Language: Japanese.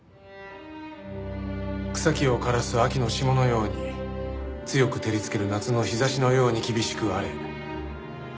「草木を枯らす秋の霜のように強く照りつける夏の日差しのように厳しくあれ」。